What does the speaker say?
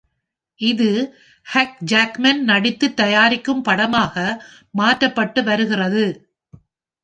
இது Hugh Jackman நடித்து தயாரிக்கும் படமாக மாற்றப்பட்டு வருகிறது.